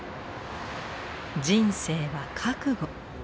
「人生は覚悟」。